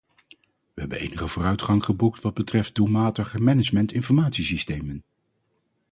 We hebben enige vooruitgang geboekt wat betreft doelmatiger managementinformatiesystemen.